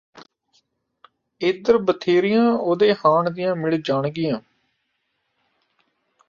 ਏਧਰ ਬਥੇਰੀਆਂ ਉਹਦੇ ਹਾਣ ਦੀਆਂ ਮਿਲ ਜਾਣਗੀਆਂ